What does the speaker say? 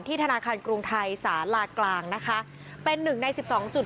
ธนาคารกรุงไทยสาลากลางนะคะเป็นหนึ่งในสิบสองจุด